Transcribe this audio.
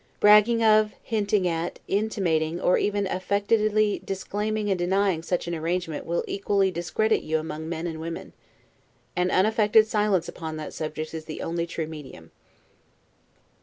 Bragging of, hinting at, intimating, or even affectedly disclaiming and denying such an arrangement will equally discredit you among men and women. An unaffected silence upon that subject is the only true medium.